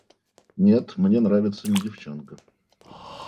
Нет, мне нравится не девчонка.